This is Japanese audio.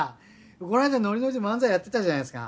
この間ノリノリで漫才やってたじゃないですか。